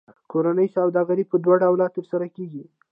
کورنۍ سوداګري په دوه ډوله ترسره کېږي